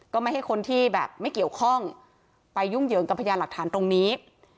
ไม่ให้คนที่แบบไม่เกี่ยวข้องไปยุ่งเหยิงกับพยานหลักฐานตรงนี้